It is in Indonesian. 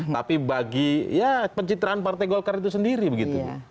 tapi bagi ya pencitraan partai golkar itu sendiri begitu